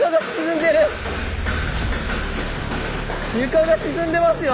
床が沈んでますよ